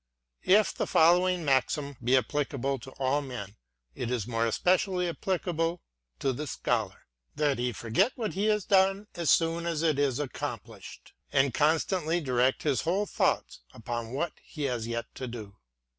If the following maxim be applicable to all men, it is more especially applicable to the Scholar :— that he forget what he has done as soon as it is accomplished, and constantly direct his whole thoughts upon what he has yet to do.